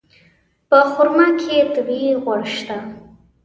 په خرما کې طبیعي غوړ شته.